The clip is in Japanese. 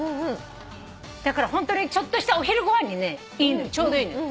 だからホントにちょっとしたお昼ご飯にちょうどいいのよ。